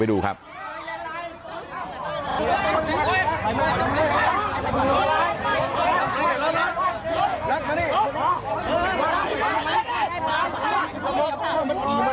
อืม